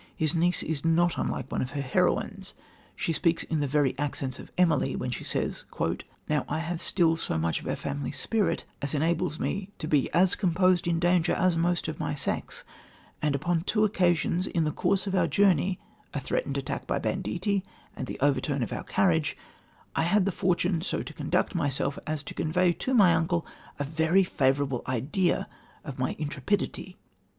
His niece is not unlike one of her heroines. She speaks in the very accents of Emily when she says: "Now I have still so much of our family spirit as enables me to be as composed in danger as most of my sex, and upon two occasions in the course of our journey a threatened attack by banditti, and the overturn of our carriage I had the fortune so to conduct myself as to convey to my uncle a very favourable idea of my intrepidity."